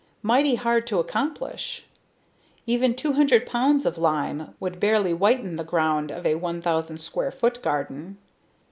Mighty hard to accomplish! Even 200 pounds of lime would barely whiten the ground of a 1,000 square foot garden.